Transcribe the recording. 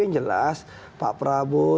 yang jelas pak prabowo